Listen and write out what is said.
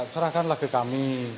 serahkanlah ke kami